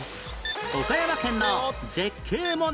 岡山県の絶景問題